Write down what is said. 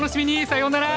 さようなら。